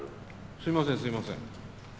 すいませんすいません。